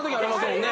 もんね